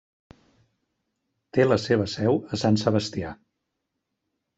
Té la seva seu a Sant Sebastià.